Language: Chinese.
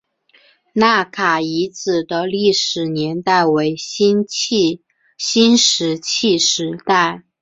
纳卡遗址的历史年代为新石器时代。